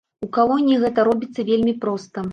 У калоніі гэта робіцца вельмі проста.